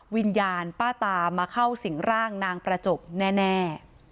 วิญญาณป้าตามาเข้าสิ่งร่างนางประจบแน่